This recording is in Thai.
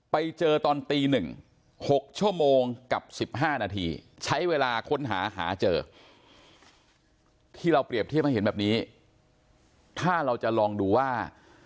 ไปเจอตอนตี๑๖ชั่วโมงกับ๑๕นาทีใช้เวลาค้นหาหาเจอที่เราเปรียบเทียบให้เห็นแบบนี้ถ้าเราจะลองดูว่า